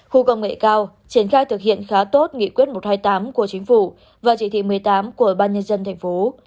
khu công nghệ cao triển khai thực hiện khá tốt nghị quyết một trăm hai mươi tám của chính phủ và chỉ thị một mươi tám của ban nhân dân thành phố